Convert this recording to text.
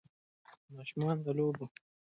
ماشومان د لوبو له لارې شخصیت وده کوي.